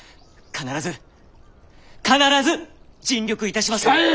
必ず必ず尽力いたしますゆえ。